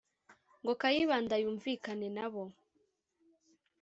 ngo kayibanda yumvikane na bo